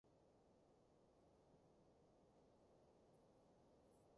點解你個袋有避孕套嘅？